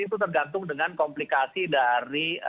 itu tergantung dengan komplikasi dari